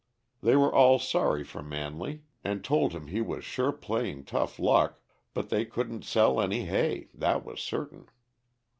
They were all sorry for Manley, and told him he was "sure playing tough luck," but they couldn't sell any hay, that was certain.